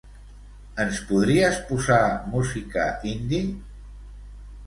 Ens podries posar música indie?